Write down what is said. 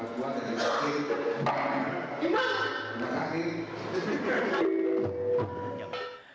kita juga menunjukan lakon lakon yang terbaik